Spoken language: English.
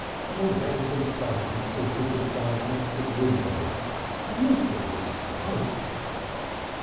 Come on round to the front and see if we can find an attic window. Look at this smoke!"